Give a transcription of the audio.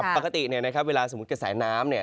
ปกติเนี่ยนะครับเวลาสมมุติกระแสน้ำเนี่ย